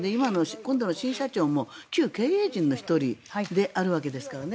今度の新社長も旧経営陣の１人であるわけですからね。